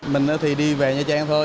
mình thì đi về nha trang thôi